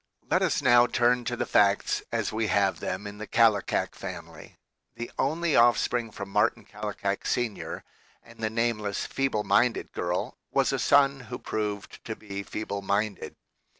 Let us now turn to the facts as we have them in the Kallikak family. The only offspring from Martin Kallikak Sr. and the nameless feeble minded girl was a son who proved to be feeble minded.